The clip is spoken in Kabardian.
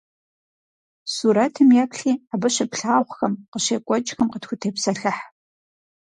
Сурэтым еплъи абы щыплъагъухэм, къыщекӏуэкӏхэм къытхутепсэлъыхь.